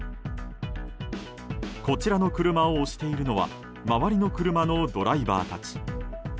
こちらの車を押しているのは周りの車のドライバーたち。